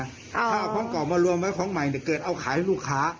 ถ้าเอาของเก่ามารวมไว้ของใหม่เนี่ยเกิดเอาขายให้ลูกค้า